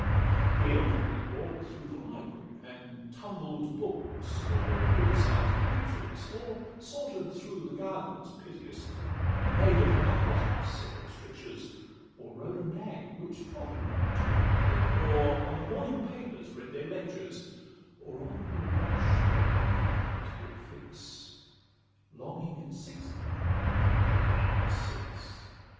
CII The elderly walk'd through the library, And tumbled books, or criticised the pictures, Or saunter'd through the gardens piteously, And made upon the hot house several strictures, Or rode a nag which trotted not too high, Or on the morning papers read their lectures, Or on the watch their longing eyes would fix, Longing at sixty for the hour of six.